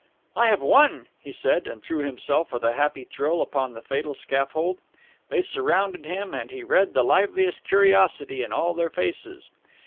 "I have won," he said, and threw himself with a happy thrill upon the fatal scaffold. They surrounded him, and he read the liveliest curiosity in all their faces.